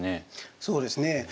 そうですね。